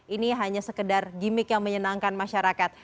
ini hanya sekedar gimmick yang menyenangkan masyarakat